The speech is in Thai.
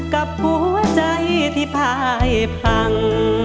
กับหัวใจที่พายพัง